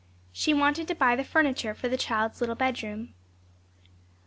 She wanted to buy the furniture for the child's little bedroom.